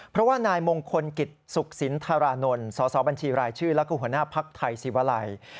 เพราะว่านายมงคลกิจสุขสินธารานนท์สสบัญชีรายชื่อแล้วก็หัวหน้าภักดิ์ไทยศิวาลัย